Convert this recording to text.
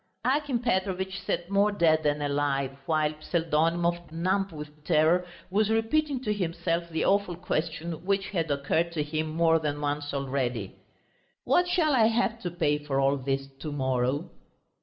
Akim Petrovitch sat more dead than alive, while Pseldonimov, numb with terror, was repeating to himself the awful question which had occurred to him more than once already. "What shall I have to pay for all this to morrow?"